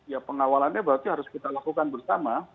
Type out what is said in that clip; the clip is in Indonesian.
ya pengawalannya berarti harus kita lakukan bersama